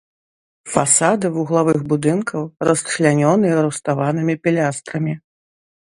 Фасады вуглавых будынкаў расчлянёны руставанымі пілястрамі.